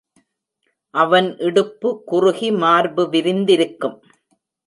அவன் இடுப்பு குறுகி, மார்பு விரிந்திருக்கும்.